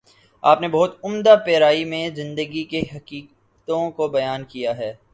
آپ نے بہت عمدہ پیراۓ میں زندگی کی حقیقتوں کو بیان کیا ہے۔